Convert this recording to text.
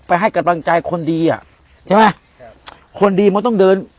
ให้กำลังใจคนดีอ่ะใช่ไหมคนดีมันต้องเดิน